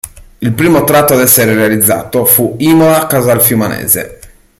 Il primo tratto ad essere realizzato fu Imola-Casalfiumanese.